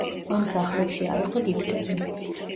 ამ სახლებში არ იყო ლიფტები.